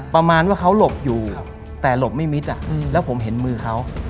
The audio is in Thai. ประมาณว่าเขาหลบอยู่แต่หลบไม่มิดแล้วผมเห็นมือเขา